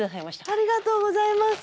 ありがとうございます。